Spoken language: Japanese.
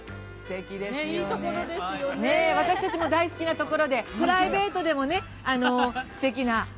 私たちも大好きなところで、プライベートでもね、すてきな。